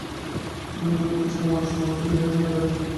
এখন এগুলিকে ছেলেমানুষি মনে করিয়া হাসিয়া থাকি।